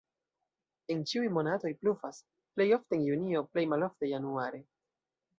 En ĉiuj monatoj pluvas, plej ofte en junio, plej malofte januare.